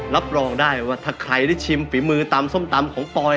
รับรองได้ว่าถ้าใครได้ชิมฝีมือตำส้มตำของปอย